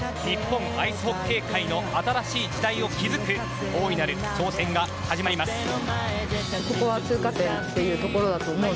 日本アイスホッケー界の新しい時代を築く大いなる挑戦が始まります。